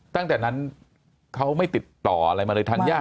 ตั้งแต่นั้นเขาไม่ติดต่ออะไรมาเลย